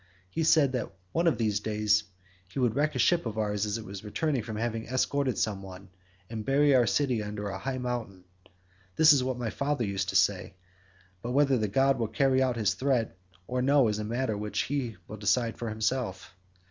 He said that one of these days he should wreck a ship of ours as it was returning from having escorted some one,74 and bury our city under a high mountain. This is what my father used to say, but whether the god will carry out his threat or no is a matter which he will decide for himself.